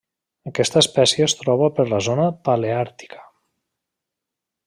Aquesta espècie es troba per la zona paleàrtica.